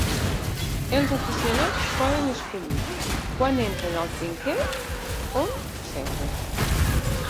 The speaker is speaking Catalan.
Els aficionats poden escollir, quan entren al trinquet, on seure.